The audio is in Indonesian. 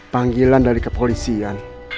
panggilan dari kepolisian